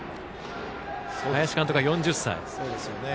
林監督は４０歳。